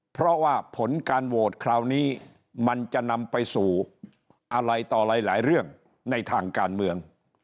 เพราะว่าผลการโหวตคราวนี้มันจะนำไปสู่อะไรต่อหลายเรื่องในทางการเมือง